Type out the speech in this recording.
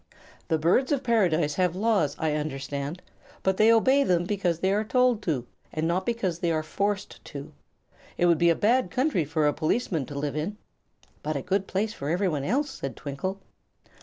The Birds of Paradise have laws, I understand; but they obey them because they are told to, and not because they are forced to. It would be a bad country for a policeman to live in." "But a good place for everyone else," said Twinkle.